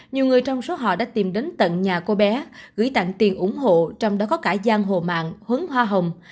nhiều người trong số họ đã tìm đến tận nhà cô bé gửi tặng tiền ủng hộ trong đó có cả giang hồ mạng hướng hoa hồng